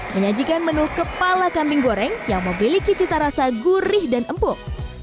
menyajikan menu kepala kambing goreng yang memiliki cita rasa gurih dan empuk